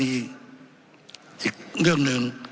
อีกเรื่องหนึ่ง